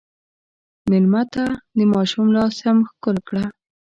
مېلمه ته د ماشوم لاس هم ښکل کړه.